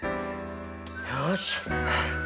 よし！